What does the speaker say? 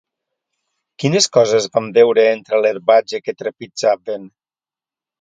Quines coses van veure entre l'herbatge que trepitjaven?